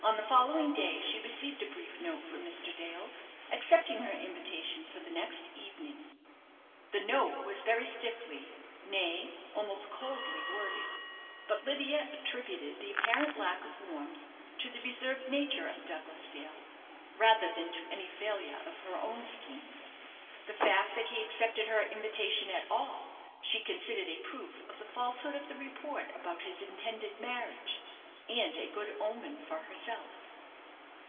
On the following day she received a brief note from Mr. Dale, accepting her invitation for the next evening. The note was very stiffly nay, almost coldly worded; but Lydia attributed the apparent lack of warmth to the reserved nature of Douglas Dale, rather than to any failure of her own scheme. The fact that he accepted her invitation at all, she considered a proof of the falsehood of the report about his intended marriage, and a good omen for herself.